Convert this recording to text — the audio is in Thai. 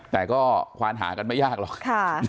แต่ก็ควานหากันไม่ยากหรอก